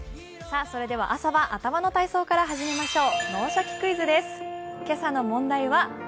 それでは朝は頭の体操から始めましょう。